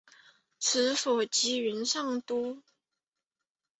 治所即元上都。